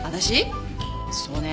そうね。